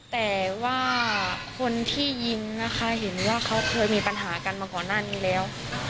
แต่ว่าคนที่ยิงนะคะเห็นว่าเขาเคยมีปัญหากันมาก่อนหน้านี้แล้ว